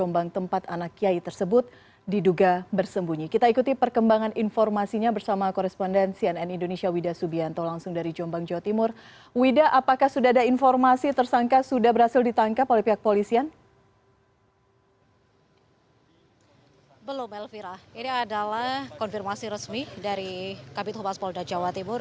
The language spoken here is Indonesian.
belum elvira ini adalah konfirmasi resmi dari kabinet hubas polda jawa timur